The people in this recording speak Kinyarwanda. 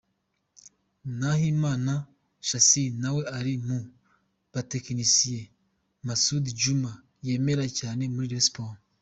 Nahimana Shassir nawe ari mu batekinisiye Masud Djuma yemera cyane muri Rayon Sports.